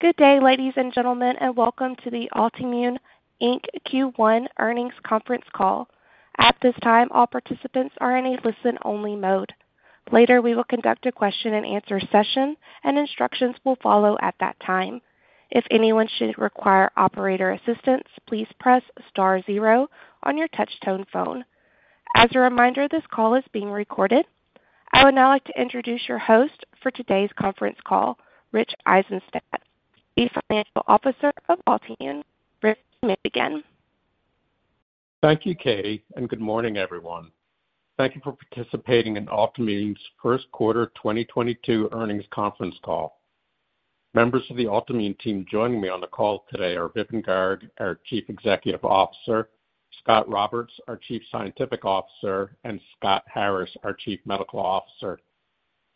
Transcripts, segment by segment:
Good day, ladies and gentlemen, and welcome to the Altimmune, Inc. Q1 earnings conference call. At this time, all participants are in a listen-only mode. Later, we will conduct a question-and-answer session, and instructions will follow at that time. If anyone should require operator assistance, please press star zero on your touch-tone phone. As a reminder, this call is being recorded. I would now like to introduce your host for today's conference call, Rich Eisenstadt, Chief Financial Officer of Altimmune, Inc. Rich, you may begin. Thank you, Katie, and good morning, everyone. Thank you for participating in Altimmune's first quarter 2022 earnings conference call. Members of the Altimmune team joining me on the call today are Vipin Garg, our Chief Executive Officer, Scot Roberts, our Chief Scientific Officer, and Scott Harris, our Chief Medical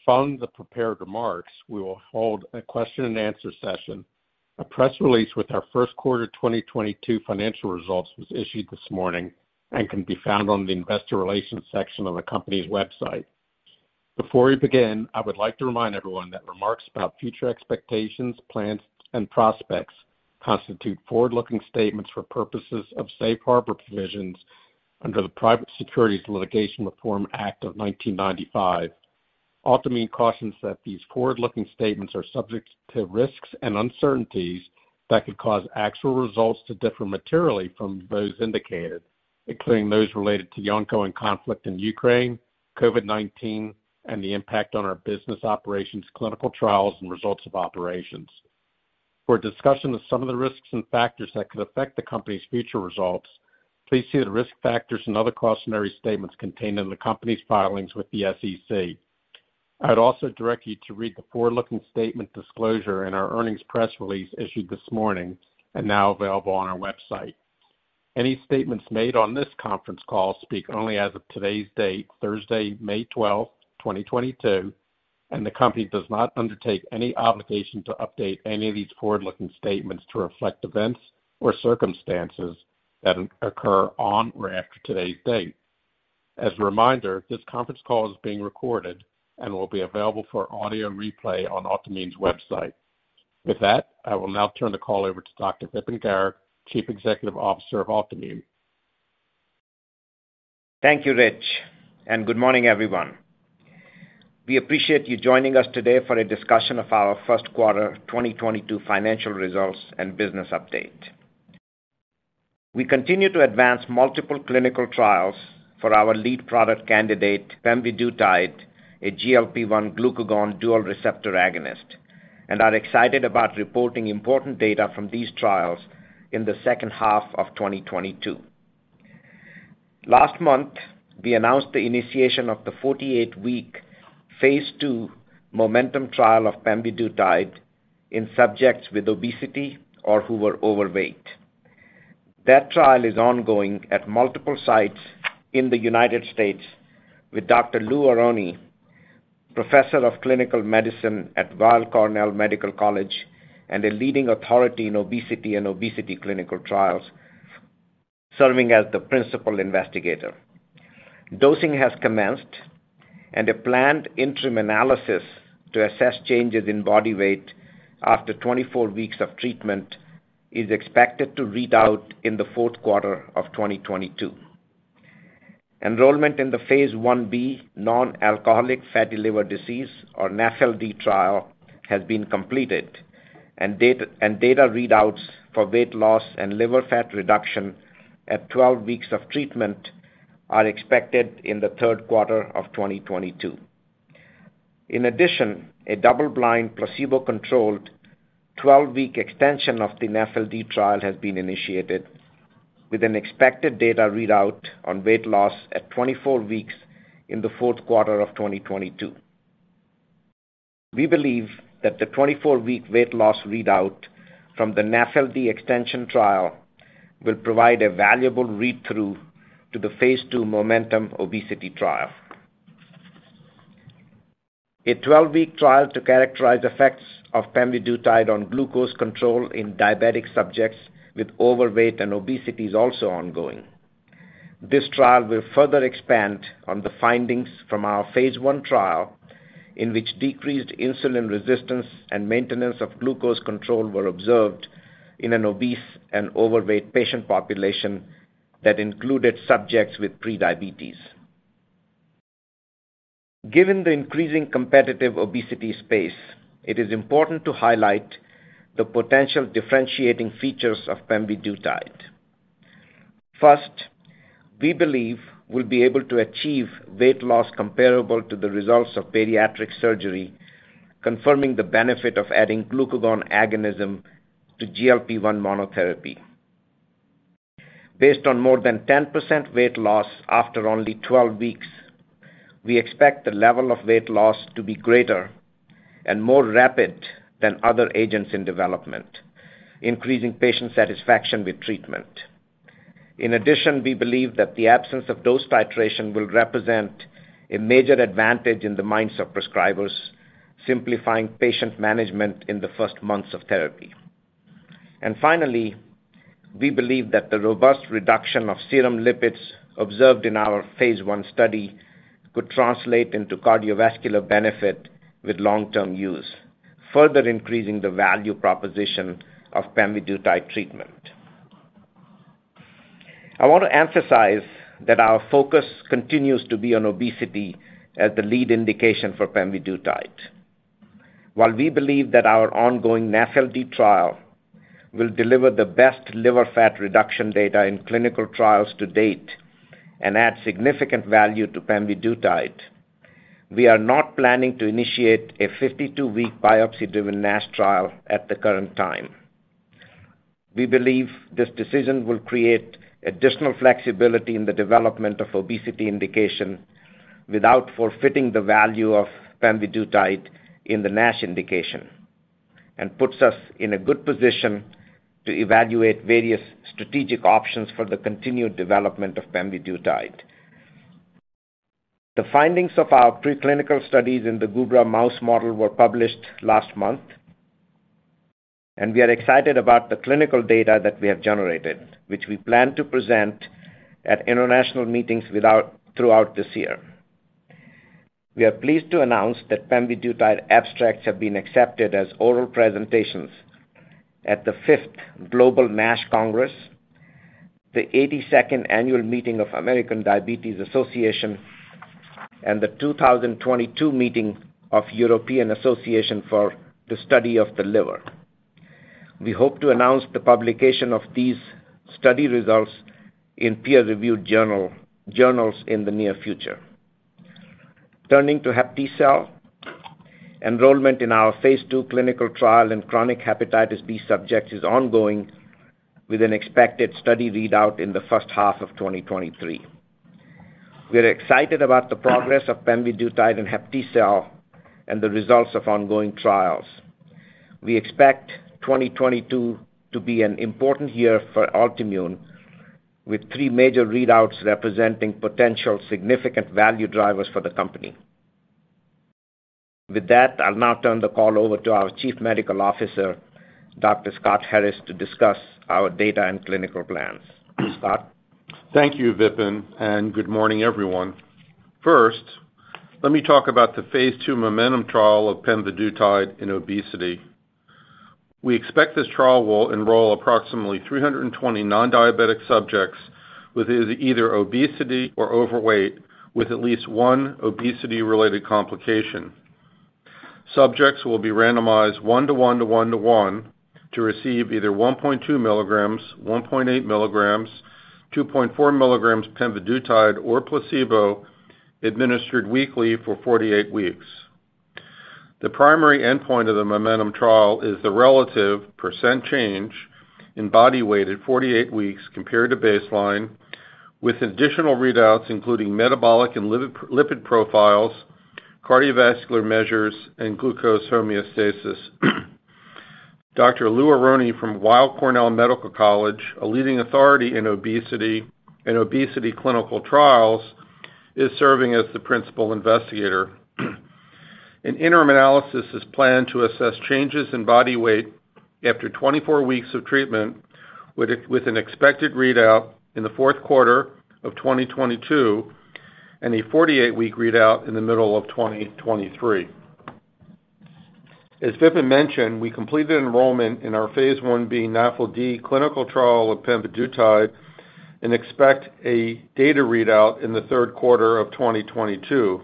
Officer. Following the prepared remarks, we will hold a question-and-answer session. A press release with our first quarter 2022 financial results was issued this morning and can be found on the investor relations section on the company's website. Before we begin, I would like to remind everyone that remarks about future expectations, plans, and prospects constitute forward-looking statements for purposes of safe harbor provisions under the Private Securities Litigation Reform Act of 1995. Altimmune cautions that these forward-looking statements are subject to risks and uncertainties that could cause actual results to differ materially from those indicated, including those related to the ongoing conflict in Ukraine, COVID-19, and the impact on our business operations, clinical trials, and results of operations. For a discussion of some of the risks and factors that could affect the company's future results, please see the risk factors and other cautionary statements contained in the company's filings with the SEC. I'd also direct you to read the forward-looking statement disclosure in our earnings press release issued this morning and now available on our website. Any statements made on this conference call speak only as of today's date, Thursday, May 12th, 2022, and the company does not undertake any obligation to update any of these forward-looking statements to reflect events or circumstances that occur on or after today's date. As a reminder, this conference call is being recorded and will be available for audio replay on Altimmune's website. With that, I will now turn the call over to Dr. Vipin Garg, Chief Executive Officer of Altimmune. Thank you, Rich, and good morning, everyone. We appreciate you joining us today for a discussion of our first quarter 2022 financial results and business update. We continue to advance multiple clinical trials for our lead product candidate, pemvidutide, a GLP-1/glucagon dual receptor agonist, and are excited about reporting important data from these trials in the second half of 2022. Last month, we announced the initiation of the 48-week phase II MOMENTUM trial of pemvidutide in subjects with obesity or who were overweight. That trial is ongoing at multiple sites in the United States with Dr. Lou Aronne, professor of clinical medicine at Weill Cornell Medicine and a leading authority in obesity and obesity clinical trials, serving as the principal investigator. Dosing has commenced and a planned interim analysis to assess changes in body weight after 24 weeks of treatment is expected to read out in the fourth quarter of 2022. Enrollment in the phase 1B non-alcoholic fatty liver disease or NAFLD trial has been completed and data readouts for weight loss and liver fat reduction at 12 weeks of treatment are expected in the third quarter of 2022. In addition, a double-blind, placebo-controlled 12-week extension of the NAFLD trial has been initiated with an expected data readout on weight loss at 24 weeks in the fourth quarter of 2022. We believe that the 24-week weight loss readout from the NAFLD extension trial will provide a valuable read-through to the phase II MOMENTUM obesity trial. A 12-week trial to characterize effects of pemvidutide on glucose control in diabetic subjects with overweight and obesity is also ongoing. This trial will further expand on the findings from our phase I trial in which decreased insulin resistance and maintenance of glucose control were observed in an obese and overweight patient population that included subjects with prediabetes. Given the increasing competitive obesity space, it is important to highlight the potential differentiating features of pemvidutide. First, we believe we'll be able to achieve weight loss comparable to the results of bariatric surgery, confirming the benefit of adding glucagon agonism to GLP-1 monotherapy. Based on more than 10% weight loss after only 12 weeks, we expect the level of weight loss to be greater and more rapid than other agents in development, increasing patient satisfaction with treatment. In addition, we believe that the absence of dose titration will represent a major advantage in the minds of prescribers, simplifying patient management in the first months of therapy. Finally, we believe that the robust reduction of serum lipids observed in our phase I study could translate into cardiovascular benefit with long-term use, further increasing the value proposition of pemvidutide treatment. I want to emphasize that our focus continues to be on obesity as the lead indication for pemvidutide. While we believe that our ongoing NAFLD trial will deliver the best liver fat reduction data in clinical trials to date and add significant value to pemvidutide, we are not planning to initiate a 52-week biopsy-driven NASH trial at the current time. We believe this decision will create additional flexibility in the development of obesity indication without forfeiting the value of pemvidutide in the NASH indication, and puts us in a good position to evaluate various strategic options for the continued development of pemvidutide. The findings of our preclinical studies in the Gubra mouse model were published last month, and we are excited about the clinical data that we have generated, which we plan to present at international meetings throughout this year. We are pleased to announce that pemvidutide abstracts have been accepted as oral presentations at the fifth Global NASH Congress, the eighty-second Annual Meeting of American Diabetes Association, and the 2022 Meeting of European Association for the Study of the Liver. We hope to announce the publication of these study results in peer-reviewed journals in the near future. Turning to HepTcell, enrollment in our phase II clinical trial in chronic hepatitis B subjects is ongoing with an expected study readout in the first half of 2023. We are excited about the progress of pemvidutide and HepTcell and the results of ongoing trials. We expect 2022 to be an important year for Altimmune, with three major readouts representing potential significant value drivers for the company. With that, I'll now turn the call over to our Chief Medical Officer, Dr. Scott Harris, to discuss our data and clinical plans. Scott? Thank you, Vipin, and good morning, everyone. First, let me talk about the phase II momentum trial of pemvidutide in obesity. We expect this trial will enroll approximately 320 non-diabetic subjects with either obesity or overweight, with at least one obesity-related complication. Subjects will be randomized 1 to 1 to 1 to 1 to receive either 1.2 mg, 1.8 mg, 2.4 mg pemvidutide or placebo administered weekly for 48 weeks. The primary endpoint of the momentum trial is the relative percent change in body weight at 48 weeks compared to baseline, with additional readouts including metabolic and lipid profiles, cardiovascular measures, and glucose homeostasis. Dr. Lou Aronne from Weill Cornell Medical College, a leading authority in obesity and obesity clinical trials, is serving as the Principal Investigator. An interim analysis is planned to assess changes in body weight after 24 weeks of treatment with an expected readout in the fourth quarter of 2022, and a 48-week readout in the middle of 2023. As Vipin mentioned, we completed enrollment in our phase 1B NAFLD clinical trial of pemvidutide and expect a data readout in the third quarter of 2022.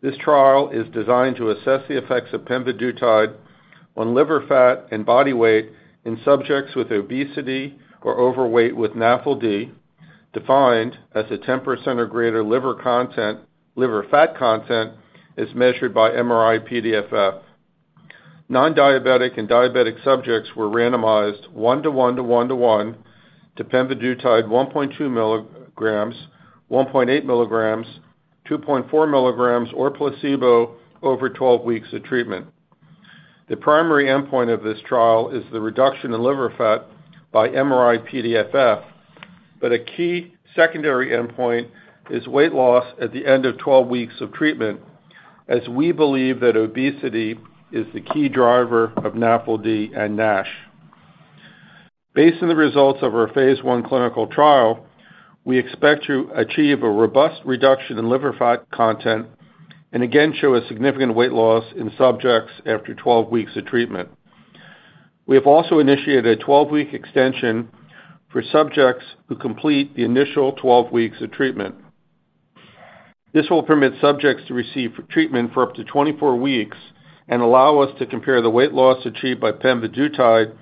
This trial is designed to assess the effects of pemvidutide on liver fat and body weight in subjects with obesity or overweight with NAFLD, defined as a 10% or greater liver fat content measured by MRI-PDFF. Non-diabetic and diabetic subjects were randomized 1:1:1:1 to pemvidutide 1.2 mg, 1.8 mg, 2.4 mg or placebo over 12 weeks of treatment. The primary endpoint of this trial is the reduction in liver fat by MRI-PDFF, but a key secondary endpoint is weight loss at the end of 12 weeks of treatment, as we believe that obesity is the key driver of NAFLD and NASH. Based on the results of our phase I clinical trial, we expect to achieve a robust reduction in liver fat content and again show a significant weight loss in subjects after 12 weeks of treatment. We have also initiated a 12-week extension for subjects who complete the initial 12 weeks of treatment. This will permit subjects to receive treatment for up to 24 weeks and allow us to compare the weight loss achieved by pemvidutide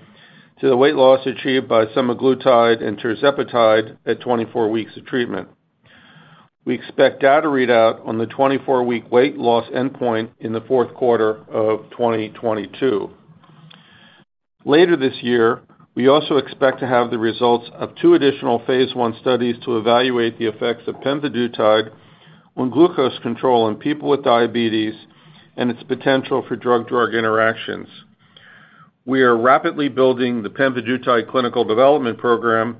to the weight loss achieved by semaglutide and tirzepatide at 24 weeks of treatment. We expect data readout on the 24-week weight loss endpoint in the fourth quarter of 2022. Later this year, we also expect to have the results of two additional phase I studies to evaluate the effects of pemvidutide on glucose control in people with diabetes and its potential for drug-drug interactions. We are rapidly building the pemvidutide clinical development program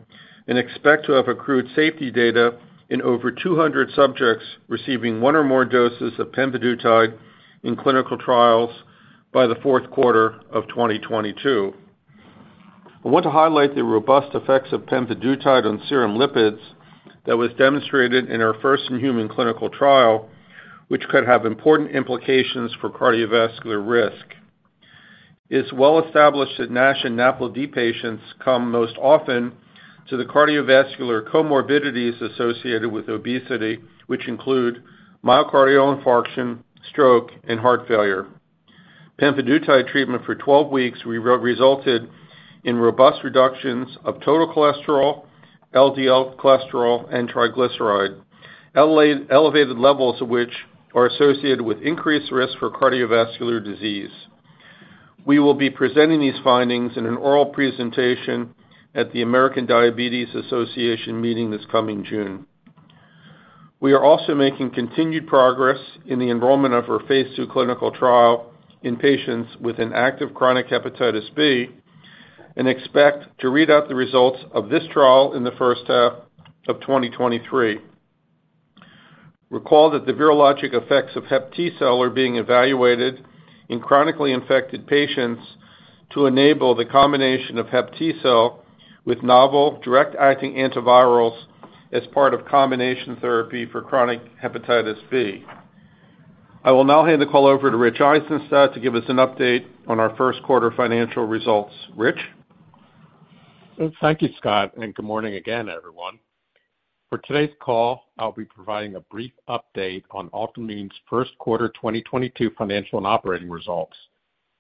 and expect to have accrued safety data in over 200 subjects receiving one or more doses of pemvidutide in clinical trials by the fourth quarter of 2022. I want to highlight the robust effects of pemvidutide on serum lipids that was demonstrated in our first human clinical trial, which could have important implications for cardiovascular risk. It's well established that NASH and NAFLD patients come most often to the cardiovascular comorbidities associated with obesity, which include myocardial infarction, stroke, and heart failure pemvidutide treatment for 12 weeks resulted in robust reductions of total cholesterol, LDL cholesterol, and triglyceride. Elevated levels of which are associated with increased risk for cardiovascular disease. We will be presenting these findings in an oral presentation at the American Diabetes Association meeting this coming June. We are also making continued progress in the enrollment of our phase II clinical trial in patients with an active chronic hepatitis B and expect to read out the results of this trial in the first half of 2023. Recall that the virologic effects of HepTcell are being evaluated in chronically infected patients to enable the combination of HepTcell with novel direct-acting antivirals as part of combination therapy for chronic hepatitis B. I will now hand the call over to Rich Eisenstadt to give us an update on our first quarter financial results. Rich? Thank you, Scott, and good morning again, everyone. For today's call, I'll be providing a brief update on Altimmune's first quarter 2022 financial and operating results.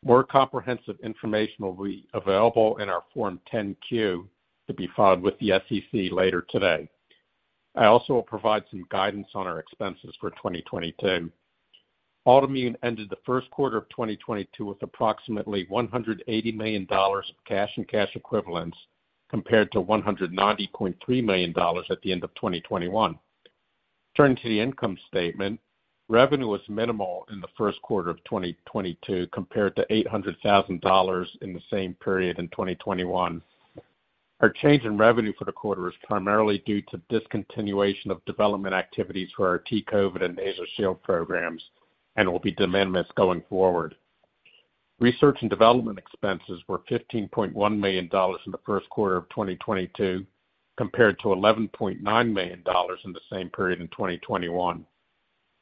More comprehensive information will be available in our Form 10-Q to be filed with the SEC later today. I also will provide some guidance on our expenses for 2022. Altimmune ended the first quarter of 2022 with approximately $180 million of cash and cash equivalents compared to $190.3 million at the end of 2021. Turning to the income statement, revenue was minimal in the first quarter of 2022 compared to $800,000 in the same period in 2021. Our change in revenue for the quarter is primarily due to discontinuation of development activities for our T-COVID and NasoShield programs and will be de minimis going forward. Research and development expenses were $15.1 million in the first quarter of 2022 compared to $11.9 million in the same period in 2021.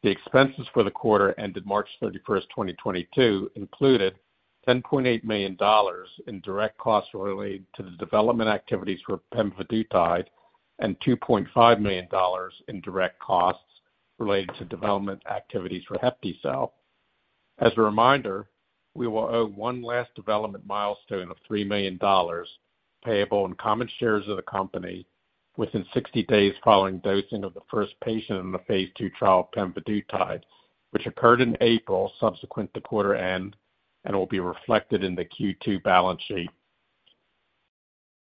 The expenses for the quarter ended March 31st, 2022 included $10.8 million in direct costs related to the development activities for pemvidutide and $2.5 million in direct costs related to development activities for HepTcell. As a reminder, we will owe one last development milestone of $3 million payable in common shares of the company within 60 days following dosing of the first patient in the phase II trial of pemvidutide, which occurred in April subsequent to quarter end and will be reflected in the Q2 balance sheet.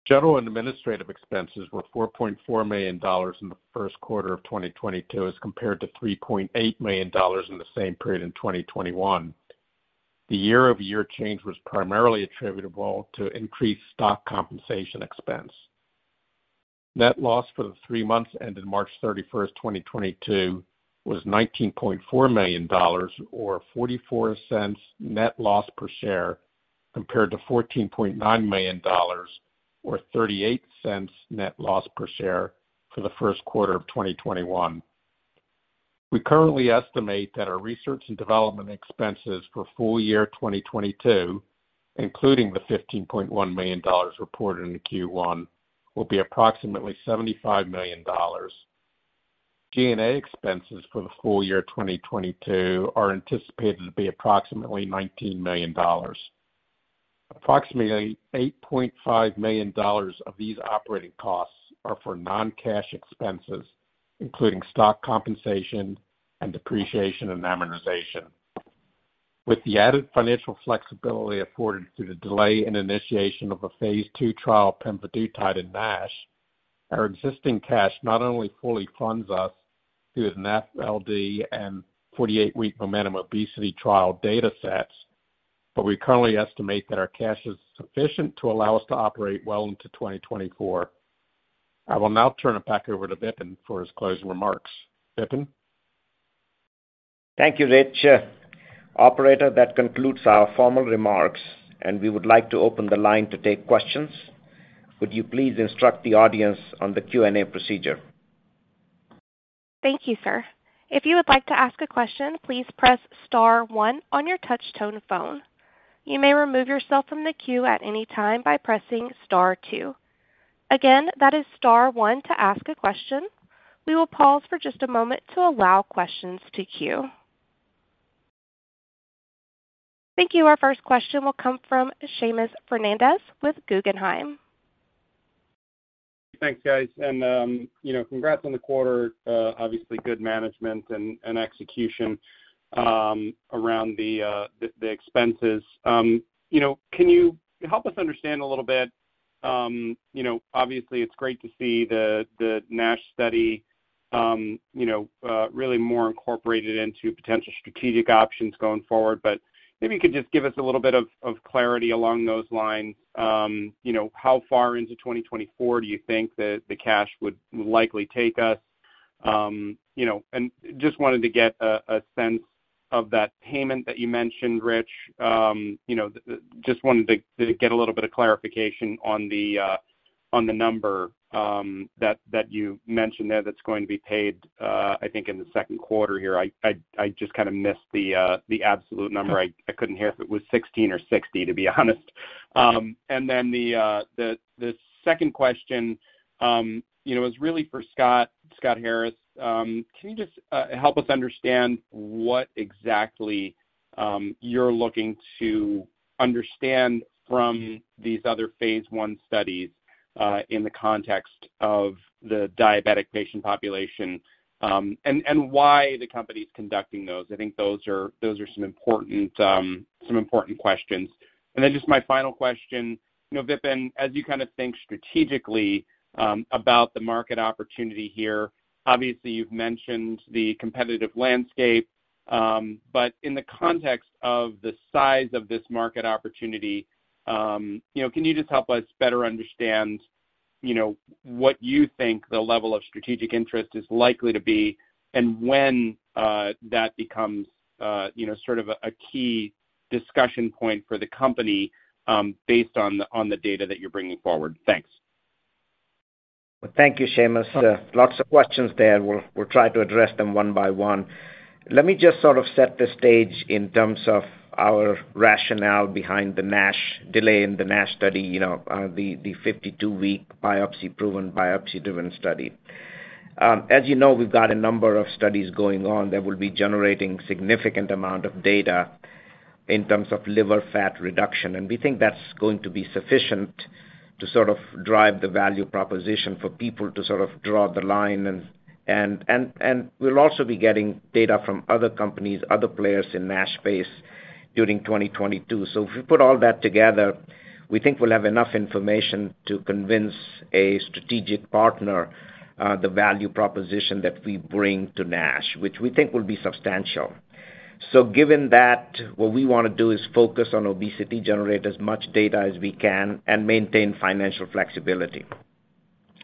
General and administrative expenses were $4.4 million in the first quarter of 2022 as compared to $3.8 million in the same period in 2021. The year-over-year change was primarily attributable to increased stock compensation expense. Net loss for the three months ended March 31st, 2022 was $19.4 million or $0.44 net loss per share, compared to $14.9 million or $0.38 net loss per share for the first quarter of 2021. We currently estimate that our research and development expenses for full year 2022, including the $15.1 million reported in Q1, will be approximately $75 million. G&A expenses for the full year 2022 are anticipated to be approximately $19 million. Approximately $8.5 million of these operating costs are for non-cash expenses, including stock compensation and depreciation and amortization. With the added financial flexibility afforded through the delay in initiation of a phase II trial of pemvidutide in NASH, our existing cash not only fully funds us through the NASH LD and 48-week MOMENTUM obesity trial data sets, but we currently estimate that our cash is sufficient to allow us to operate well into 2024. I will now turn it back over to Vipin for his closing remarks. Vipin? Thank you, Rich. Operator, that concludes our formal remarks, and we would like to open the line to take questions. Would you please instruct the audience on the Q&A procedure? Thank you, sir. If you would like to ask a question, please press star one on your touch-tone phone. You may remove yourself from the queue at any time by pressing star two. Again, that is star one to ask a question. We will pause for just a moment to allow questions to queue. Thank you. Our first question will come from Seamus Fernandez with Guggenheim. Thanks, guys. You know, congrats on the quarter. Obviously good management and execution around the expenses. You know, can you help us understand a little bit? You know, obviously it's great to see the NASH study really more incorporated into potential strategic options going forward, but maybe you could just give us a little bit of clarity along those lines. You know, how far into 2024 do you think that the cash would likely take us? You know, just wanted to get a sense of that payment that you mentioned, Rich. You know, just wanted to get a little bit of clarification on the number that you mentioned there that's going to be paid, I think in the second quarter here. I just kind of missed the absolute number. I couldn't hear if it was 16 or 60, to be honest. Then the second question, you know, is really for Scott Harris. Can you just help us understand what exactly you're looking to understand from these other phase I studies in the context of the diabetic patient population, and why the company's conducting those? I think those are some important questions. Just my final question, you know, Vipin, as you kind of think strategically about the market opportunity here, obviously you've mentioned the competitive landscape. In the context of the size of this market opportunity, you know, can you just help us better understand, you know, what you think the level of strategic interest is likely to be and when that becomes, you know, sort of a key discussion point for the company, based on the data that you're bringing forward? Thanks. Well, thank you, Seamus. Lots of questions there. We'll try to address them one by one. Let me just sort of set the stage in terms of our rationale behind the NASH delay and the NASH study, you know, the 52-week biopsy proven, biopsy-driven study. As you know, we've got a number of studies going on that will be generating significant amount of data in terms of liver fat reduction, and we think that's going to be sufficient to sort of drive the value proposition for people to sort of draw the line. And we'll also be getting data from other companies, other players in NASH space during 2022. If we put all that together, we think we'll have enough information to convince a strategic partner, the value proposition that we bring to NASH, which we think will be substantial. Given that, what we wanna do is focus on obesity, generate as much data as we can and maintain financial flexibility.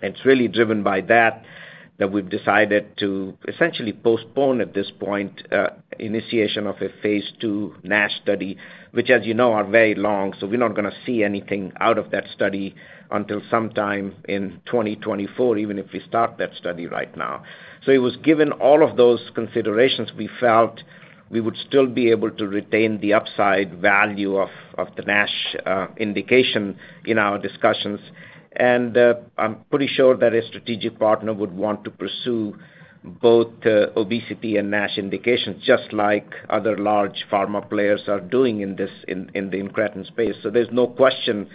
It's really driven by that we've decided to essentially postpone, at this point, initiation of a phase II NASH study, which as you know, are very long, so we're not gonna see anything out of that study until sometime in 2024, even if we start that study right now. It was given all of those considerations, we felt we would still be able to retain the upside value of the NASH indication in our discussions. I'm pretty sure that a strategic partner would want to pursue both obesity and NASH indications, just like other large pharma players are doing in the incretin space. There's no question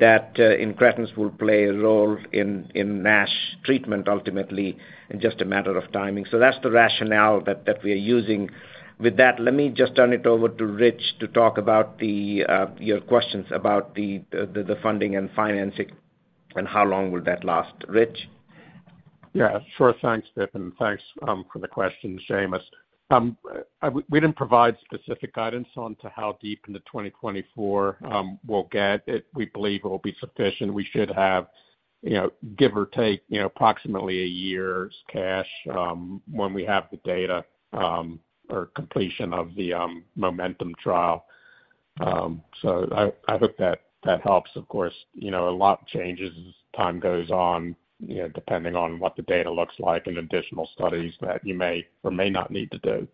that incretins will play a role in NASH treatment ultimately in just a matter of timing. That's the rationale that we are using. With that, let me just turn it over to Rich to talk about your questions about the funding and financing and how long will that last. Rich? Yeah, sure. Thanks, Vipin. Thanks for the question, Seamus. We didn't provide specific guidance on how deep into 2024 we'll get. We believe it'll be sufficient. We should have, you know, give or take, you know, approximately a year's cash when we have the data or completion of the MOMENTUM trial. I hope that helps. Of course, you know, a lot changes as time goes on, you know, depending on what the data looks like and additional studies that you may or may not need to do.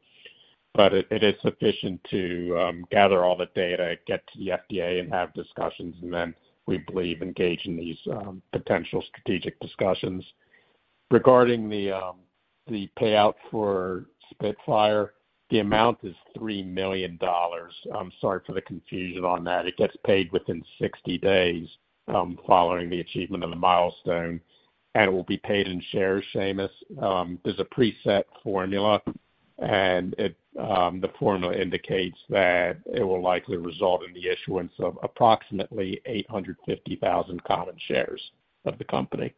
It is sufficient to gather all the data, get to the FDA, and have discussions, and then we believe engage in these potential strategic discussions. Regarding the payout for Spitfire, the amount is $3 million. I'm sorry for the confusion on that. It gets paid within 60 days, following the achievement of the milestone, and it will be paid in shares, Seamus. There's a preset formula, and it, the formula indicates that it will likely result in the issuance of approximately 850,000 common shares of the company.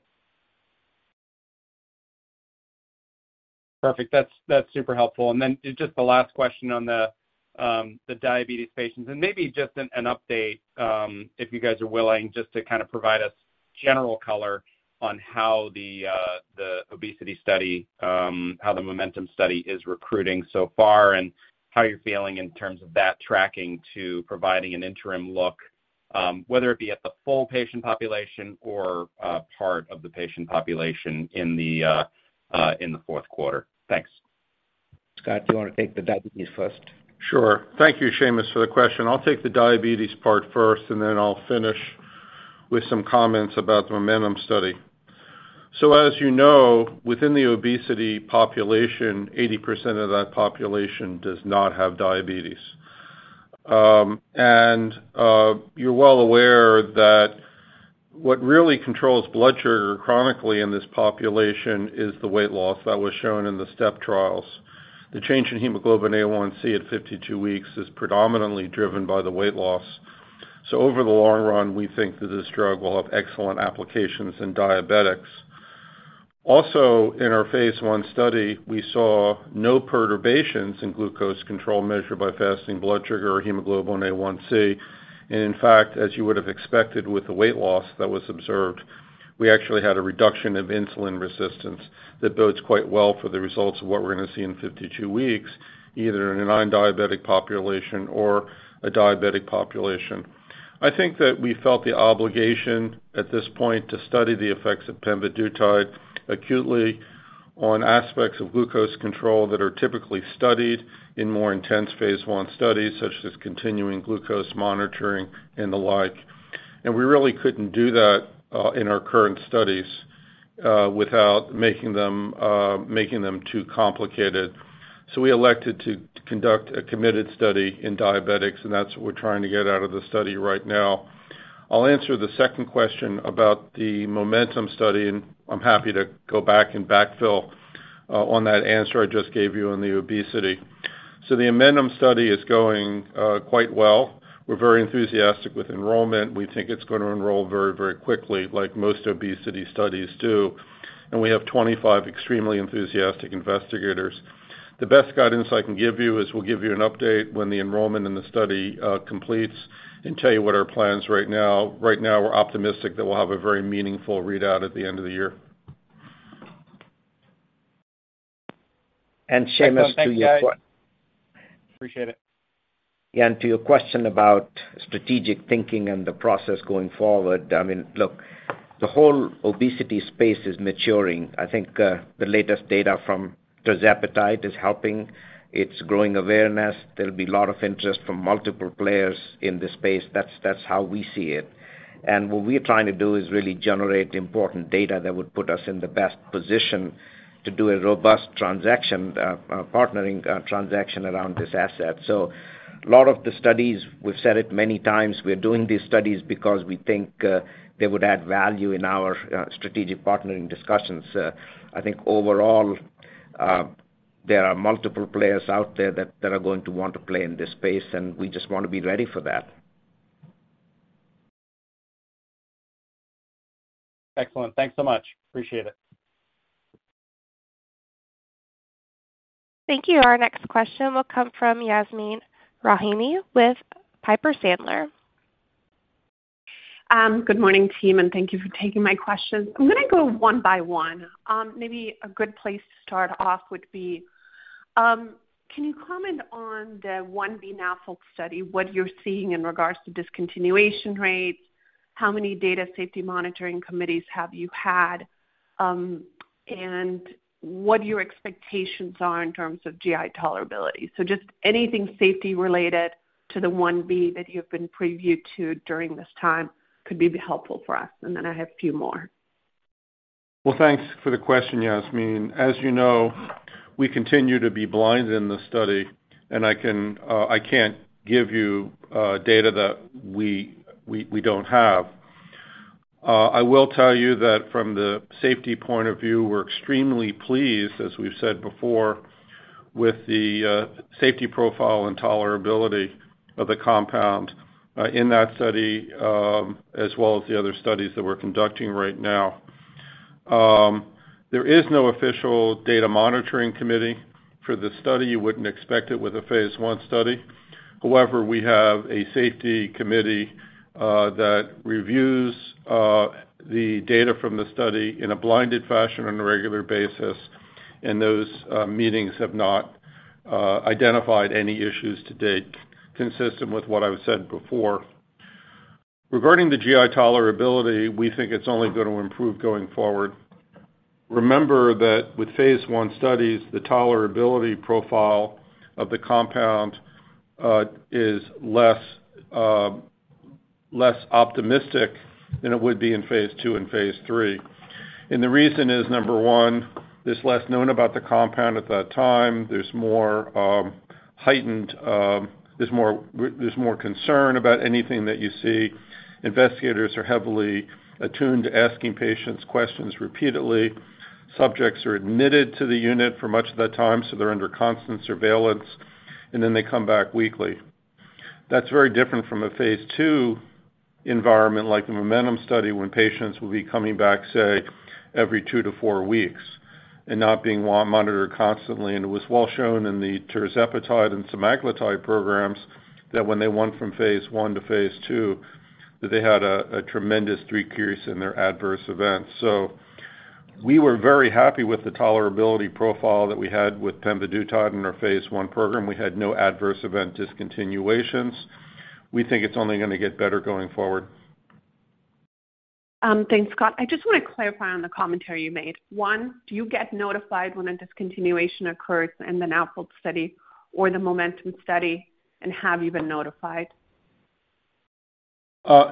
Perfect. That's super helpful. Just the last question on the diabetes patients, and maybe just an update, if you guys are willing, just to kind of provide us general color on how the obesity study, how the MOMENTUM study is recruiting so far and how you're feeling in terms of that tracking to providing an interim look, whether it be at the full patient population or part of the patient population in the fourth quarter. Thanks. Scott, do you wanna take the diabetes first? Sure. Thank you, Seamus, for the question. I'll take the diabetes part first, and then I'll finish with some comments about the MOMENTUM study. As you know, within the obesity population, 80% of that population does not have diabetes. You're well aware that what really controls blood sugar chronically in this population is the weight loss that was shown in the STEP trials. The change in hemoglobin A1c at 52 weeks is predominantly driven by the weight loss. Over the long run, we think that this drug will have excellent applications in diabetics. Also, in our phase I study, we saw no perturbations in glucose control measured by fasting blood sugar or hemoglobin A1c. In fact, as you would have expected with the weight loss that was observed. We actually had a reduction of insulin resistance that bodes quite well for the results of what we're going to see in 52 weeks, either in a non-diabetic population or a diabetic population. I think that we felt the obligation at this point to study the effects of pemvidutide acutely on aspects of glucose control that are typically studied in more intense phase I studies, such as continuous glucose monitoring and the like. We really couldn't do that in our current studies without making them too complicated. We elected to conduct a committed study in diabetics, and that's what we're trying to get out of the study right now. I'll answer the second question about the MOMENTUM study, and I'm happy to backfill on that answer I just gave you on the obesity. The MOMENTUM study is going quite well. We're very enthusiastic with enrollment. We think it's going to enroll very, very quickly, like most obesity studies do. We have 25 extremely enthusiastic investigators. The best guidance I can give you is we'll give you an update when the enrollment in the study completes and tell you what our plans right now. Right now, we're optimistic that we'll have a very meaningful readout at the end of the year. Seamus, to your question. Excellent. Thanks, guys. Appreciate it. To your question about strategic thinking and the process going forward. I mean, look, the whole obesity space is maturing. I think the latest data from tirzepatide is helping. It's growing awareness. There'll be a lot of interest from multiple players in this space. That's how we see it. What we're trying to do is really generate important data that would put us in the best position to do a robust transaction, partnering transaction around this asset. A lot of the studies, we've said it many times, we are doing these studies because we think they would add value in our strategic partnering discussions. I think overall, there are multiple players out there that are going to want to play in this space, and we just want to be ready for that. Excellent. Thanks so much. Appreciate it. Thank you. Our next question will come from Yasmeen Rahimi with Piper Sandler. Good morning, team, and thank you for taking my questions. I'm gonna go one by one. Maybe a good place to start off would be, can you comment on the 1B NAFLD study, what you're seeing in regards to discontinuation rates, how many data safety monitoring committees have you had, and what your expectations are in terms of GI tolerability? Just anything safety-related to the 1B that you've been privy to during this time could be helpful for us. Then I have a few more. Well, thanks for the question, Yasmeen. As you know, we continue to be blind in the study, and I can't give you data that we don't have. I will tell you that from the safety point of view, we're extremely pleased, as we've said before, with the safety profile and tolerability of the compound in that study, as well as the other studies that we're conducting right now. There is no official data monitoring committee for the study. You wouldn't expect it with a phase I study. However, we have a safety committee that reviews the data from the study in a blinded fashion on a regular basis, and those meetings have not identified any issues to date consistent with what I've said before. Regarding the GI tolerability, we think it's only gonna improve going forward. Remember that with phase I studies, the tolerability profile of the compound is less optimistic than it would be in phase II and phase III. The reason is, number 1, there's less known about the compound at that time. There's more heightened concern about anything that you see. Investigators are heavily attuned to asking patients questions repeatedly. Subjects are admitted to the unit for much of that time, so they're under constant surveillance, and then they come back weekly. That's very different from a phase II environment like the MOMENTUM study when patients will be coming back, say, every two-four weeks and not being well monitored constantly. It was well shown in the tirzepatide and semaglutide programs that when they went from phase I to phase II, that they had a tremendous decrease in their adverse events. We were very happy with the tolerability profile that we had with pemvidutide in our phase I program. We had no adverse event discontinuations. We think it's only gonna get better going forward. Thanks, Scott. I just want to clarify on the commentary you made. One, do you get notified when a discontinuation occurs in the NAFLD study or the MOMENTUM study, and have you been notified?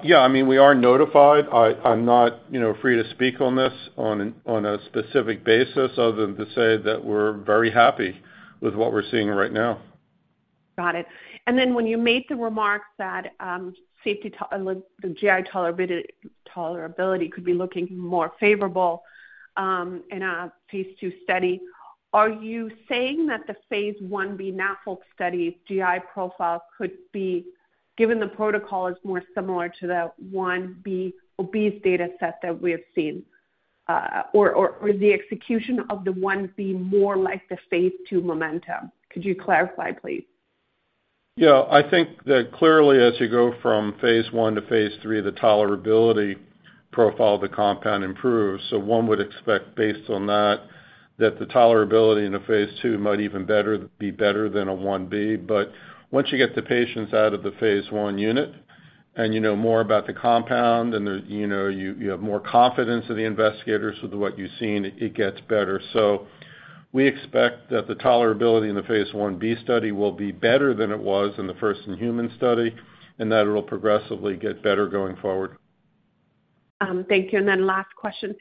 Yeah, I mean, we are notified. I'm not, you know, free to speak on this on a specific basis other than to say that we're very happy with what we're seeing right now. Got it. When you made the remarks that safety, the GI tolerability could be looking more favorable in a phase II study, are you saying that the phase 1B NAFLD study GI profile could be, given the protocol is more similar to the 1B obese data set that we have seen? Or the execution of the 1B more like the phase II MOMENTUM? Could you clarify, please? Yeah, I think that clearly as you go from phase I to phase III, the tolerability profile of the compound improves. One would expect based on that the tolerability in a phase II might even be better than a 1B. Once you get the patients out of the phase I unit and you know more about the compound and the, you know, you have more confidence in the investigators with what you've seen, it gets better. We expect that the tolerability in the phase 1B study will be better than it was in the first-in-human study, and that it'll progressively get better going forward. Thank you. Last question.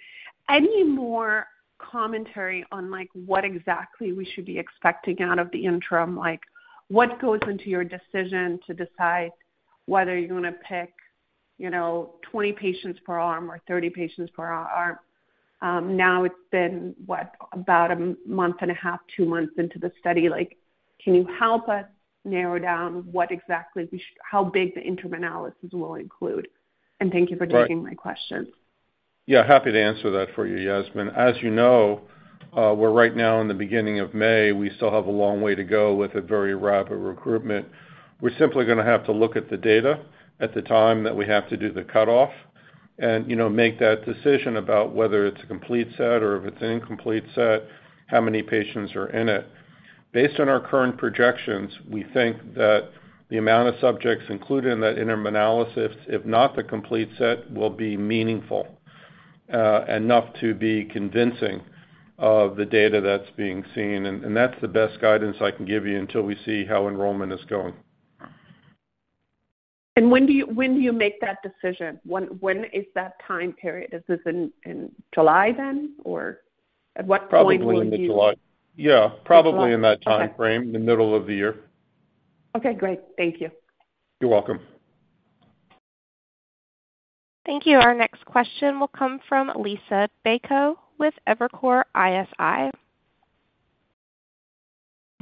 Any more commentary on, like, what exactly we should be expecting out of the interim? Like, what goes into your decision to decide whether you're gonna pick, you know, 20 patients per arm or 30 patients per arm. Now it's been, what? About a month and a half, two months into the study. Like, can you help us narrow down what exactly how big the interim analysis will include? Thank you for taking my questions. Yeah, happy to answer that for you, Yasmeen. As you know, we're right now in the beginning of May. We still have a long way to go with a very rapid recruitment. We're simply gonna have to look at the data at the time that we have to do the cutoff and, you know, make that decision about whether it's a complete set or if it's an incomplete set, how many patients are in it. Based on our current projections, we think that the amount of subjects included in that interim analysis, if not the complete set, will be meaningful enough to be convincing of the data that's being seen. That's the best guidance I can give you until we see how enrollment is going. When do you make that decision? When is that time period? Is this in July then? Or at what point will you- Probably in the July. Yeah, probably in that timeframe, the middle of the year. Okay, great. Thank you. You're welcome. Thank you. Our next question will come from Liisa Bayko with Evercore ISI.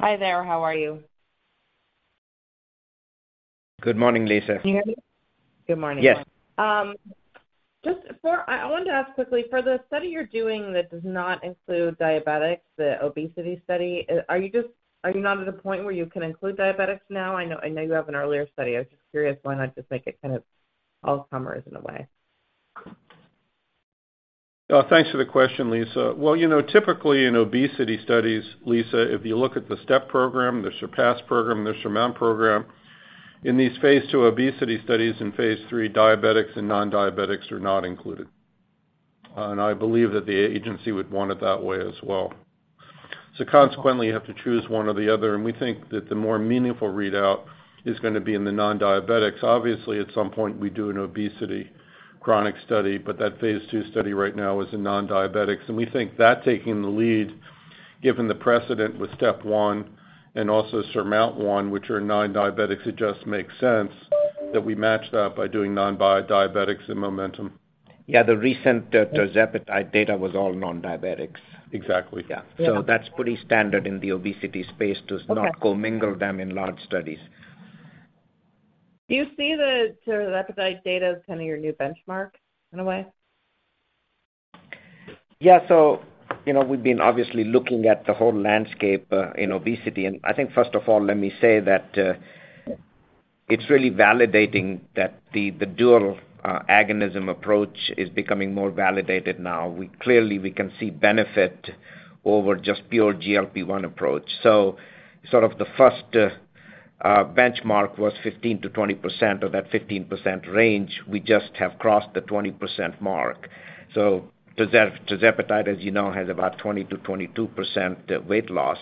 Hi there. How are you? Good morning, Liisa. Can you hear me? Good morning. Yes. I want to ask quickly, for the study you're doing that does not include diabetics, the obesity study, are you not at a point where you can include diabetics now? I know you have an earlier study. I was just curious why not just make it kind of all comers in a way. Thanks for the question, Lisa. Well, you know, typically in obesity studies, Lisa, if you look at the STEP program, the SURPASS program, the SURMOUNT program, in these phase II obesity studies in phase III, diabetics and nondiabetics are not included. I believe that the agency would want it that way as well. Consequently, you have to choose one or the other, and we think that the more meaningful readout is gonna be in the nondiabetics. Obviously, at some point, we do an obesity chronic study, but that phase II study right now is in nondiabetics. We think that taking the lead, given the precedent with STEP 1 and also SURMOUNT 1, which are nondiabetics, it just makes sense that we match that by doing nondiabetics and MOMENTUM. Yeah. The recent tirzepatide data was all nondiabetics. Exactly. Yeah. That's pretty standard in the obesity space. Okay Not commingle them in large studies. Do you see the tirzepatide data as kind of your new benchmark in a way? Yeah. You know, we've been obviously looking at the whole landscape in obesity. I think first of all, let me say that it's really validating that the dual agonism approach is becoming more validated now. We clearly can see benefit over just pure GLP-1 approach. Sort of the first benchmark was 15%-20% or that 15% range. We just have crossed the 20% mark. Tirzepatide, as you know, has about 20%-22% weight loss.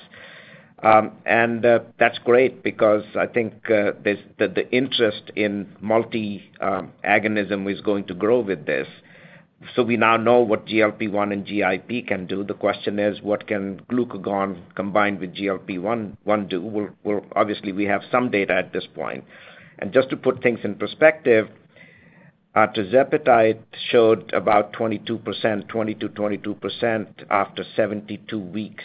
And that's great because I think this, the interest in multi agonism is going to grow with this. We now know what GLP-1 and GIP can do. The question is, what can glucagon combined with GLP-1 do? Well, obviously, we have some data at this point. Just to put things in perspective, tirzepatide showed about 22%, 20%-22% after 72 weeks.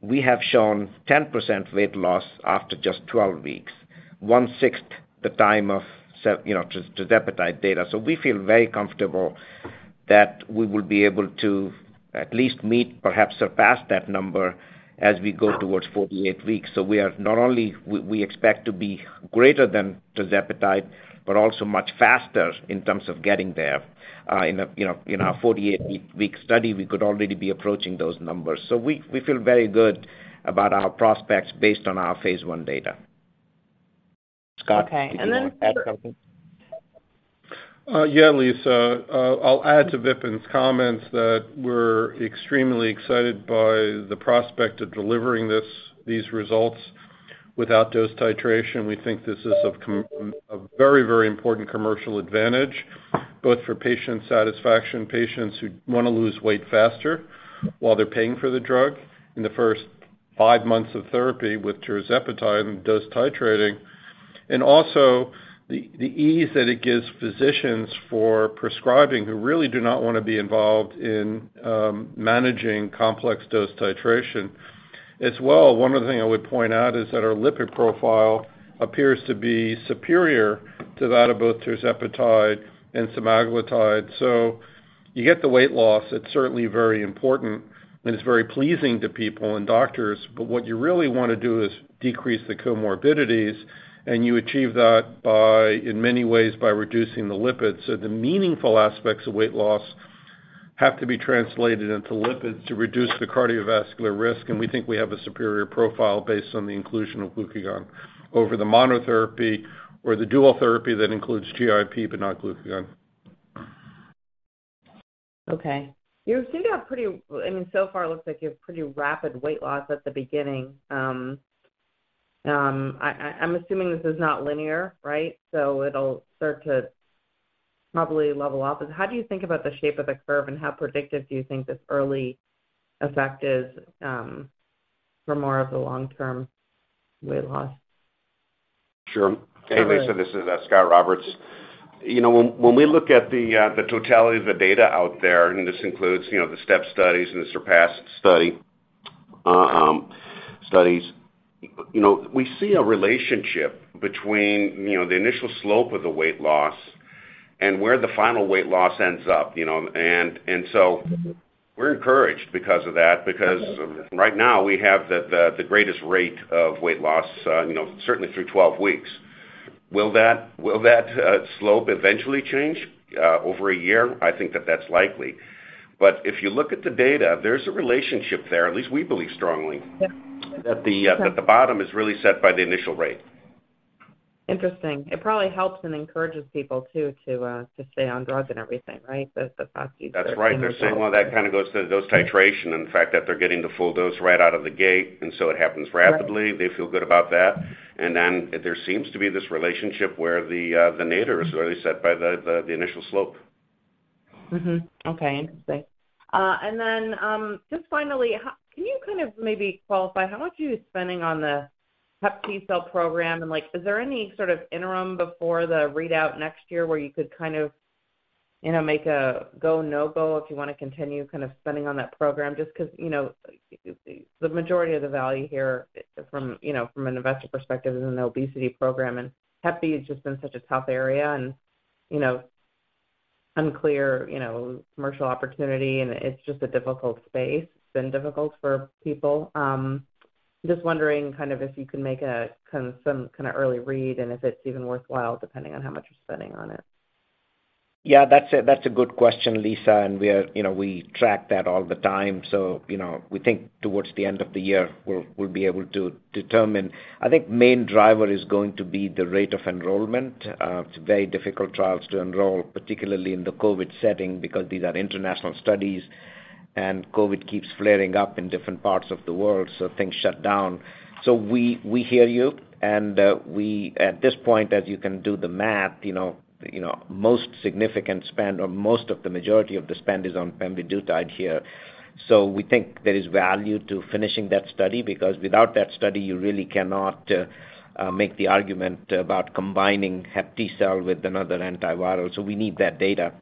We have shown 10% weight loss after just 12 weeks, one-sixth the time of, you know, tirzepatide data. We feel very comfortable that we will be able to at least meet, perhaps surpass that number as we go towards 48 weeks. We not only expect to be greater than tirzepatide, but also much faster in terms of getting there, you know, in our 48-week study, we could already be approaching those numbers. We feel very good about our prospects based on our phase I data. Okay. Scott, did you want to add something? Yeah, Liisa. I'll add to Vipin's comments that we're extremely excited by the prospect of delivering this, these results without dose titration. We think this is a very, very important commercial advantage both for patient satisfaction, patients who wanna lose weight faster while they're paying for the drug in the first five months of therapy with tirzepatide and dose titrating, and also the ease that it gives physicians for prescribing who really do not wanna be involved in managing complex dose titration. As well, one other thing I would point out is that our lipid profile appears to be superior to that of both tirzepatide and semaglutide. You get the weight loss, it's certainly very important, and it's very pleasing to people and doctors, but what you really wanna do is decrease the comorbidities, and you achieve that by, in many ways, by reducing the lipids. The meaningful aspects of weight loss have to be translated into lipids to reduce the cardiovascular risk, and we think we have a superior profile based on the inclusion of glucagon over the monotherapy or the dual therapy that includes GLP, but not glucagon. Okay. I mean, so far it looks like you have pretty rapid weight loss at the beginning. I'm assuming this is not linear, right? It'll start to probably level off. How do you think about the shape of the curve, and how predictive do you think this early effect is for more of the long-term weight loss? Sure. Hey, Lisa, this is Scot Roberts. You know, when we look at the totality of the data out there, and this includes, you know, the STEP studies and the SURPASS studies, you know, we see a relationship between, you know, the initial slope of the weight loss and where the final weight loss ends up, you know. So we're encouraged because of that, because right now we have the greatest rate of weight loss, you know, certainly through 12 weeks. Will that slope eventually change over a year? I think that's likely. If you look at the data, there's a relationship there, at least we believe strongly. Yeah. That the bottom is really set by the initial rate. Interesting. It probably helps and encourages people too to stay on drug and everything, right? The That's right. They're saying, well, that kinda goes to dose titration and the fact that they're getting the full dose right out of the gate, and so it happens rapidly. Right. They feel good about that. There seems to be this relationship where the nadir is really set by the initial slope. Okay. Interesting. Just finally, how can you kind of maybe qualify how much are you spending on the HepTcell program? And like, is there any sort of interim before the readout next year where you could kind of, you know, make a go, no-go if you wanna continue kind of spending on that program? Just 'cause, you know, the majority of the value here from, you know, from an investor perspective is an obesity program, and HepTcell has just been such a tough area and, you know, unclear, you know, commercial opportunity, and it's just a difficult space. It's been difficult for people. Just wondering kind of if you can make some kinda early read and if it's even worthwhile depending on how much you're spending on it. Yeah. That's a good question, Liisa, and we are, you know, we track that all the time. You know, we think towards the end of the year, we'll be able to determine. I think main driver is going to be the rate of enrollment. It's very difficult trials to enroll, particularly in the COVID setting because these are international studies, and COVID keeps flaring up in different parts of the world, so things shut down. We hear you, and at this point, as you can do the math, you know, most significant spend or most of the majority of the spend is on pemvidutide here. We think there is value to finishing that study because without that study you really cannot make the argument about combining HepTcell with another antiviral. We need that data.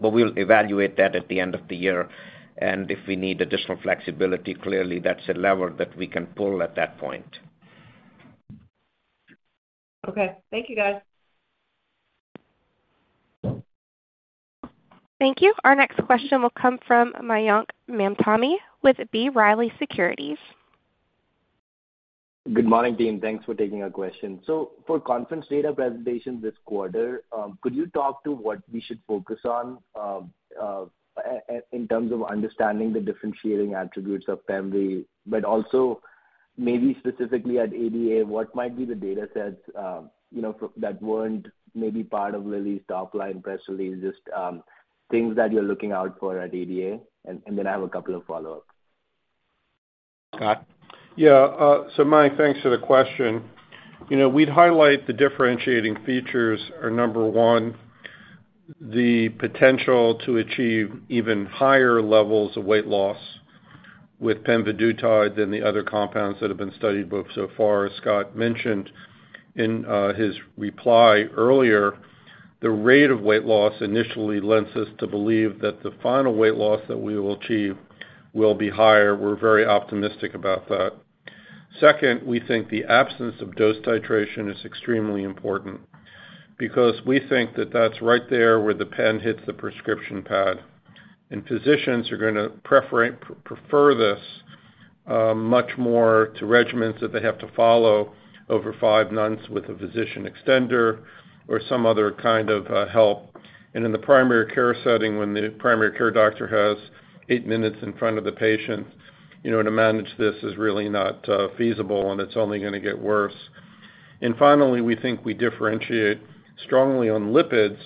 We'll evaluate that at the end of the year, and if we need additional flexibility, clearly that's a lever that we can pull at that point. Okay. Thank you, guys. Thank you. Our next question will come from Mayank Mamtani with B. Riley Securities. Good morning, team. Thanks for taking our question. For conference data presentation this quarter, could you talk to what we should focus on, in terms of understanding the differentiating attributes of pemvidutide, but also maybe specifically at ADA, what might be the datasets, you know, for that weren't maybe part of Lilly's top line press release, just, things that you're looking out for at ADA? And then I have a couple of follow-ups. Scott? Yeah. Mayank, thanks for the question. You know, we'd highlight the differentiating features are, number one, the potential to achieve even higher levels of weight loss with pemvidutide than the other compounds that have been studied both so far. As Scott mentioned in his reply earlier, the rate of weight loss initially leads us to believe that the final weight loss that we will achieve will be higher. We're very optimistic about that. Second, we think the absence of dose titration is extremely important because we think that that's right there where the pen hits the prescription pad, and physicians are gonna prefer this much more to regimens that they have to follow over five months with a physician extender or some other kind of help. In the primary care setting, when the primary care doctor has eight minutes in front of the patient, you know, to manage this is really not feasible, and it's only gonna get worse. Finally, we think we differentiate strongly on lipids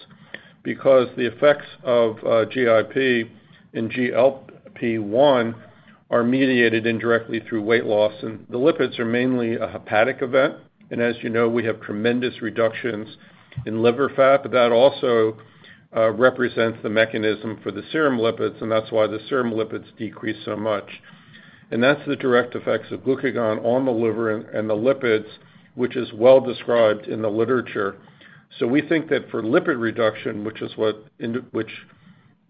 because the effects of GLP-1 are mediated indirectly through weight loss, and the lipids are mainly a hepatic event. As you know, we have tremendous reductions in liver fat, but that also represents the mechanism for the serum lipids, and that's why the serum lipids decrease so much. That's the direct effects of glucagon on the liver and the lipids, which is well described in the literature. We think that for lipid reduction, which is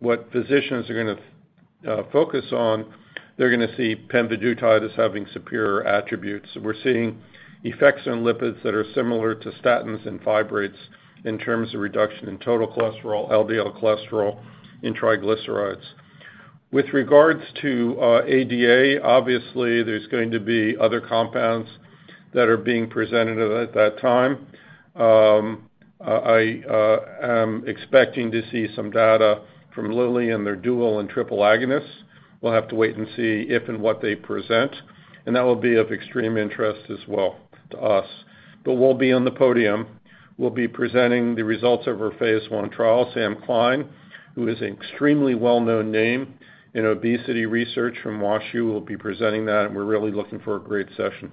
what physicians are gonna focus on, they're gonna see pemvidutide as having superior attributes. We're seeing effects on lipids that are similar to statins and fibrates in terms of reduction in total cholesterol, LDL cholesterol, and triglycerides. With regards to ADA, obviously there's going to be other compounds that are being presented at that time. I am expecting to see some data from Lilly in their dual and triple agonists. We'll have to wait and see if and what they present, and that will be of extreme interest as well to us. We'll be on the podium. We'll be presenting the results of our phase I trial. Samuel Klein, who is an extremely well-known name in obesity research from WashU, will be presenting that, and we're really looking for a great session.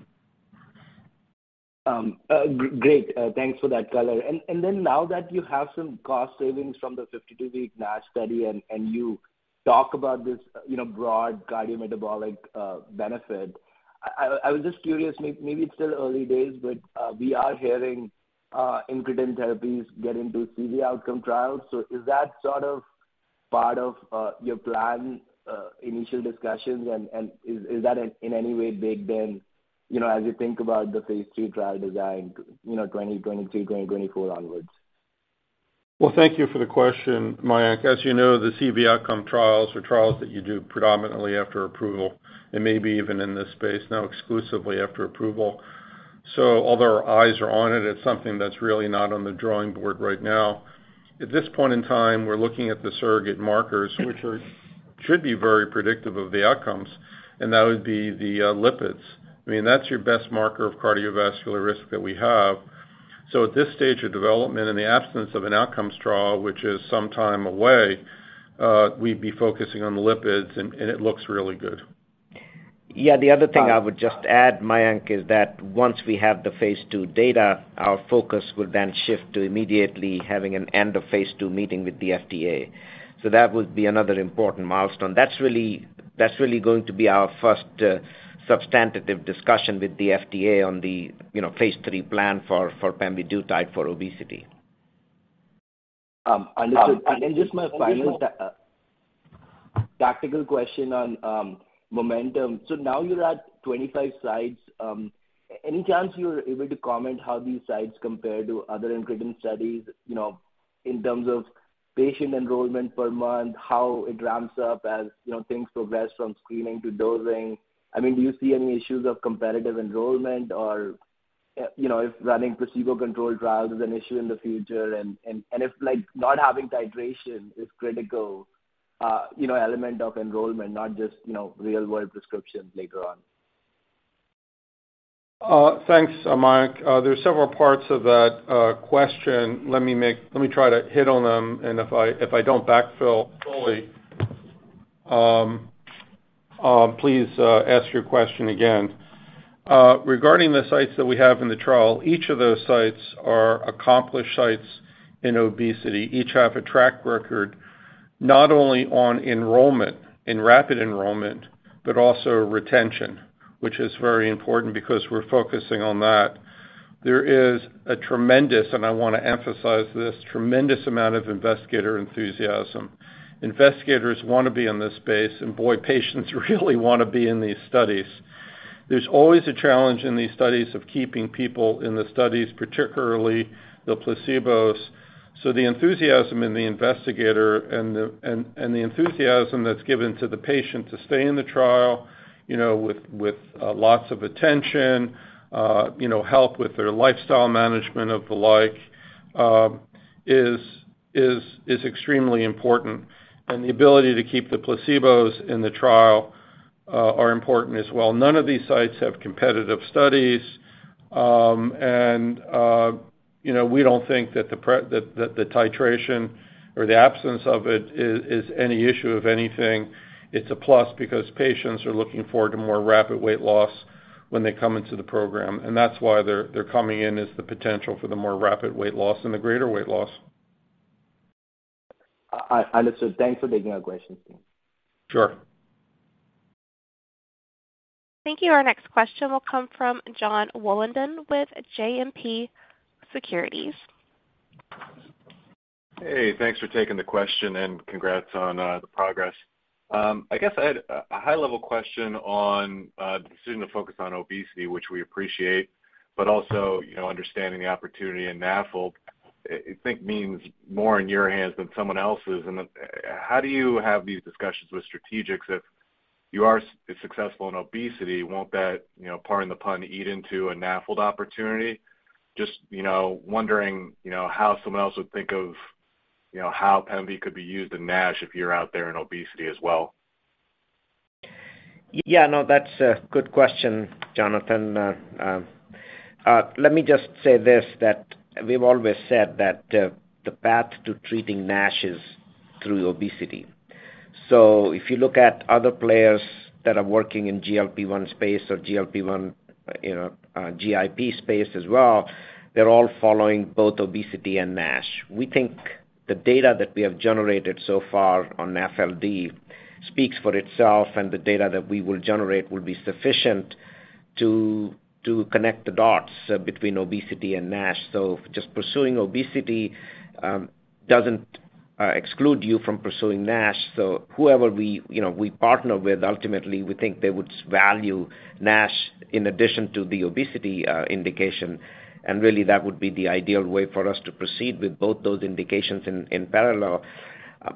Great. Thanks for that color. Then now that you have some cost savings from the 52-week NASH study and you talk about this, you know, broad cardiometabolic benefit, I was just curious, maybe it's still early days, but we are hearing incretin therapies get into CV outcome trials. Is that sort of part of your plan, initial discussions? Is that in any way baked in, you know, as you think about the phase III trial design, you know, 2023, 2024 onwards? Well, thank you for the question, Mayank. As you know, the CV outcome trials are trials that you do predominantly after approval and maybe even in this space, now exclusively after approval. Although our eyes are on it's something that's really not on the drawing board right now. At this point in time, we're looking at the surrogate markers, which should be very predictive of the outcomes, and that would be the lipids. I mean, that's your best marker of cardiovascular risk that we have. At this stage of development, in the absence of an outcomes trial, which is some time away, we'd be focusing on the lipids and it looks really good. Yeah. The other thing I would just add, Mayank, is that once we have the phase II data, our focus will then shift to immediately having an end of phase II meeting with the FDA. That would be another important milestone. That's really going to be our first substantive discussion with the FDA on the, you know, phase III plan for pemvidutide for obesity. Understood. Then just my final tactical question on MOMENTUM. Now you are at 25 sites. Any chance you are able to comment how these sites compare to other incretin studies, you know, in terms of patient enrollment per month, how it ramps up as, you know, things progress from screening to dosing? I mean, do you see any issues of competitive enrollment or, you know, if running placebo-controlled trials is an issue in the future? If like not having titration is critical, you know, element of enrollment, not just, you know, real-world prescriptions later on. Thanks, Mayank. There's several parts of that question. Let me try to hit on them, and if I don't backfill fully, please ask your question again. Regarding the sites that we have in the trial, each of those sites are accomplished sites in obesity. Each have a track record not only on enrollment, in rapid enrollment, but also retention, which is very important because we're focusing on that. There is a tremendous, and I want to emphasize this, tremendous amount of investigator enthusiasm. Investigators want to be in this space, and boy, patients really want to be in these studies. There's always a challenge in these studies of keeping people in the studies, particularly the placebos. The enthusiasm in the investigator and the enthusiasm that's given to the patient to stay in the trial, you know, with lots of attention, you know, help with their lifestyle management of the like, is extremely important. The ability to keep the placebos in the trial are important as well. None of these sites have competitive studies. You know, we don't think that that the titration or the absence of it is any issue of anything. It's a plus because patients are looking forward to more rapid weight loss when they come into the program, and that's why they're coming in is the potential for the more rapid weight loss and the greater weight loss. Understood. Thanks for taking our questions. Sure. Thank you. Our next question will come from Jonathan Wolleben with JMP Securities. Hey, thanks for taking the question, and congrats on the progress. I guess I had a high-level question on the decision to focus on obesity, which we appreciate, but also, you know, understanding the opportunity in NAFLD. I think means more in your hands than someone else's. Then how do you have these discussions with strategics if you are successful in obesity? Won't that, you know, pardon the pun, eat into a NAFLD opportunity? Just, you know, wondering, you know, how someone else would think of, you know, how pemvidutide could be used in NASH if you're out there in obesity as well. Yeah, no, that's a good question, Jonathan. Let me just say this, that we've always said that the path to treating NASH is through obesity. If you look at other players that are working in GLP-1 space or GLP-1, you know, GIP space as well, they're all following both obesity and NASH. We think the data that we have generated so far on NAFLD speaks for itself, and the data that we will generate will be sufficient to connect the dots between obesity and NASH. Just pursuing obesity doesn't exclude you from pursuing NASH. Whoever we, you know, partner with, ultimately we think they would value NASH in addition to the obesity indication. Really that would be the ideal way for us to proceed with both those indications in parallel.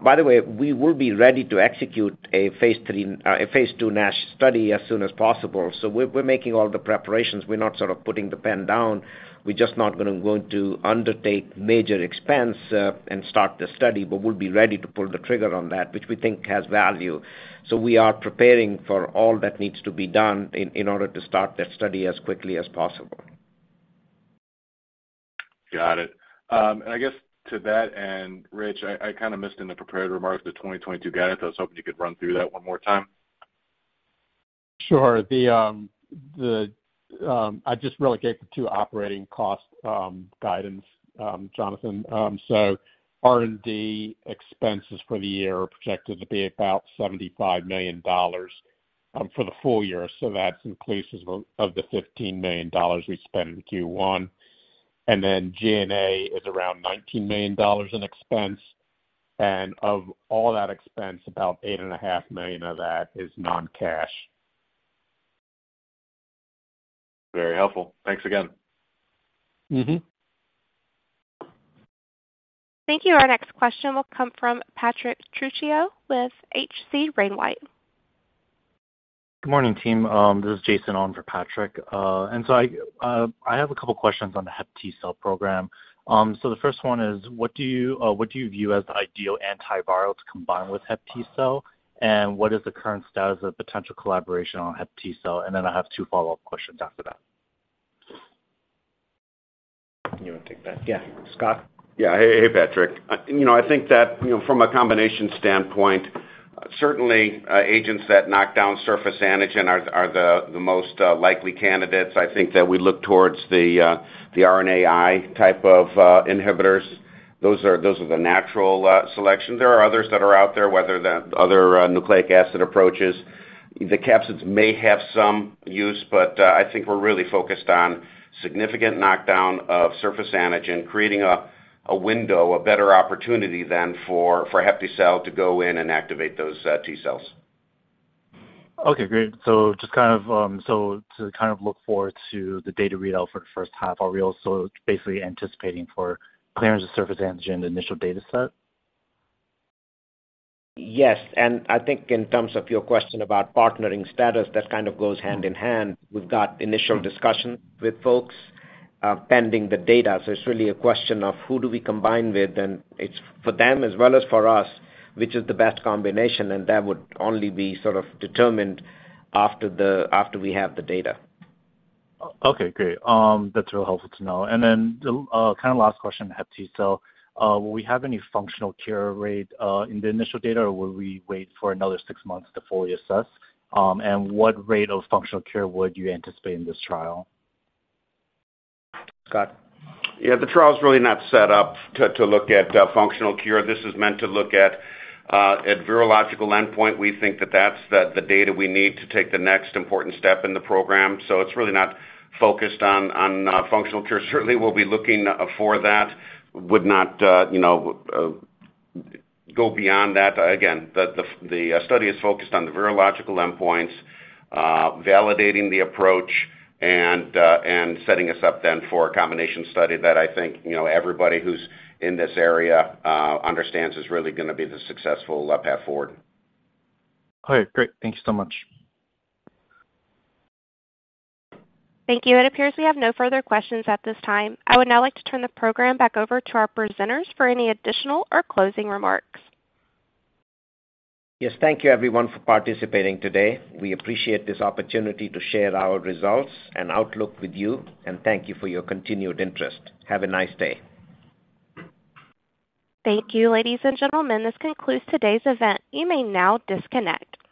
By the way, we will be ready to execute a phase II NASH study as soon as possible. We're making all the preparations. We're not sort of putting the pen down. We're just not gonna go to undertake major expense and start the study, but we'll be ready to pull the trigger on that, which we think has value. We are preparing for all that needs to be done in order to start that study as quickly as possible. Got it. I guess to that, Rich, I kind of missed in the prepared remarks the 2022 guidance. I was hoping you could run through that one more time. Sure. I just really gave the two operating cost guidance, Jonathan. R&D expenses for the year are projected to be about $75 million for the full year, so that's inclusive of the $15 million we spent in Q1. G&A is around $19 million in expense. Of all that expense, about $8.5 million of that is non-cash. Very helpful. Thanks again. Mm-hmm. Thank you. Our next question will come from Patrick Trucchio with H.C. Wainwright & Co. Good morning, team. This is Jason on for Patrick. I have a couple questions on the HepTcell program. The first one is, what do you view as the ideal antiviral to combine with HepTcell? And what is the current status of potential collaboration on HepTcell? Then I have two follow-up questions after that. You wanna take that? Yeah. Scot? Yeah. Hey, Patrick. You know, I think that, you know, from a combination standpoint, certainly, agents that knock down surface antigen are the most likely candidates. I think that we look towards the RNAi type of inhibitors. Those are the natural selections. There are others that are out there, whether the other nucleic acid approaches. The capsids may have some use, but I think we're really focused on significant knockdown of surface antigen, creating a window, a better opportunity than for HepTcell to go in and activate those T cells. Okay, great. Just kind of, so to kind of look forward to the data readout for the first half, are we also basically anticipating for clearance of surface antigen in the initial data set? Yes. I think in terms of your question about partnering status, that kind of goes hand-in-hand. We've got initial discussions with folks, pending the data. It's really a question of who do we combine with, and it's for them as well as for us, which is the best combination, and that would only be sort of determined after we have the data. Okay, great. That's real helpful to know. The kind of last question, HepTcell, will we have any functional cure rate in the initial data, or will we wait for another six months to fully assess? What rate of functional cure would you anticipate in this trial? Scot? Yeah, the trial's really not set up to look at functional cure. This is meant to look at virological endpoint. We think that that's the data we need to take the next important step in the program. It's really not focused on functional cure. Certainly, we'll be looking for that, would not you know go beyond that. Again, the study is focused on the virological endpoints, validating the approach and setting us up then for a combination study that I think you know everybody who's in this area understands is really gonna be the successful path forward. Okay, great. Thank you so much. Thank you. It appears we have no further questions at this time. I would now like to turn the program back over to our presenters for any additional or closing remarks. Yes, thank you everyone for participating today. We appreciate this opportunity to share our results and outlook with you, and thank you for your continued interest. Have a nice day. Thank you, ladies and gentlemen. This concludes today's event. You may now disconnect.